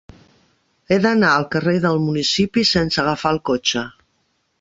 He d'anar al carrer del Municipi sense agafar el cotxe.